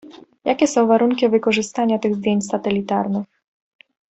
Jakie są warunki wykorzystania tych zdjęć satelitarnych?